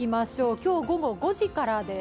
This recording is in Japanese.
今日午後５時からです。